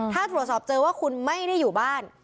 ถ้าตรวจสอบเจอว่าคุณไม่ได้อยู่บ้าน